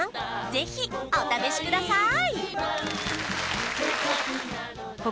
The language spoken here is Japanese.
ぜひお試しください